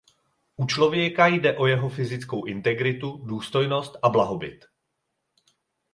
U člověka jde o jeho fyzickou integritu, důstojnost a blahobyt.